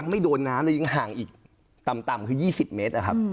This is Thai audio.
ไม่โดนน้ำยังห่างอีกต่ำคือ๒๐เมตรนะครับ